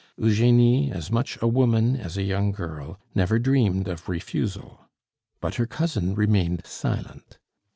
Eugenie, as much a woman as a young girl, never dreamed of refusal; but her cousin remained silent.